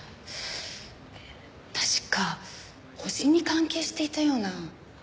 確か星に関係していたような。